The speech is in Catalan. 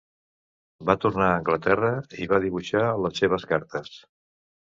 Va tornar a Anglaterra i va dibuixar les seves cartes.